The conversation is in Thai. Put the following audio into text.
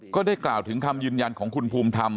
ก็ได้กล่าวถึงคำยืนยันของคุณภูมิธรรม